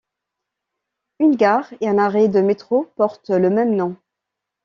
Une gare et un arrêt de métro portent le même nom.